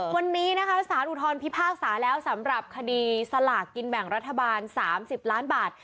วันนี้นะคะสารอุทธรพิพากษาแล้วสำหรับคดีสลากกินแบ่งรัฐบาล๓๐ล้านบาท